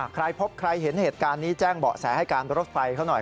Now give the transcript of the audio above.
ใครพบใครเห็นเหตุการณ์นี้แจ้งเบาะแสให้การรถไฟเขาหน่อย